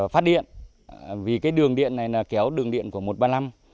phát điện vì cái đường điện này là kéo đường điện của một trăm ba mươi năm